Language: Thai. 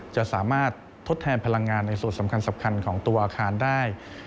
จะสามารถทดแทนพลังงานในส่วนสำคัญของตัวอาคารได้